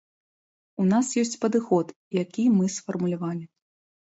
У нас ёсць падыход, які мы сфармулявалі.